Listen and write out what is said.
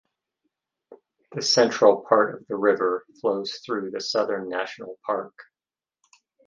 The central part of the river flows through the Southern National Park.